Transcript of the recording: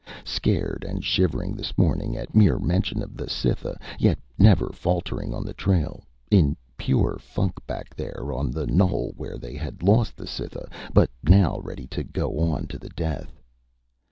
Scared and shivering this morning at mere mention of the Cytha, yet never faltering on the trail; in pure funk back there on the knoll where they had lost the Cytha, but now ready to go on to the death.